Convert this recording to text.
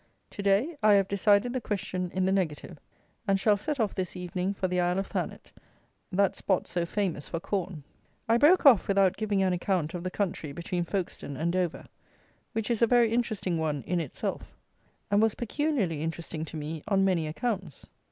To day I have decided the question in the negative, and shall set off this evening for the Isle of Thanet, that spot so famous for corn. I broke off without giving an account of the country between Folkestone and Dover, which is a very interesting one in itself, and was peculiarly interesting to me on many accounts.